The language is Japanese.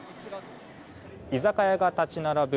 居酒屋が立ち並ぶ